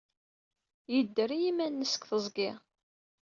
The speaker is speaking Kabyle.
Yedder i yiman-nnes deg teẓgi.